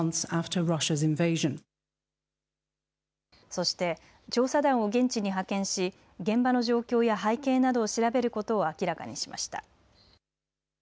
そして調査団を現地に派遣し現場の状況や背景などを調べることを明らかにしました。